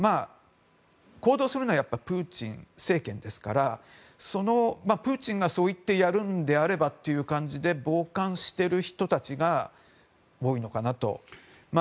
行動するのはプーチン政権ですからプーチンがそう言ってやるのであればという感じで傍観している人たちが多いのかなと。